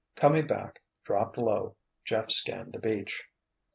Coming back, dropped low, Jeff scanned the beach.